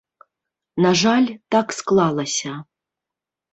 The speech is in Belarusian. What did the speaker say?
На жаль, так склалася.